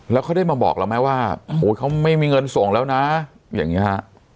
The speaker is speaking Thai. แล้วเขาได้มาบอกเราไหมว่าโอ้ยเขาไม่มีเงินส่งแล้วนะอย่างนี้ฮะ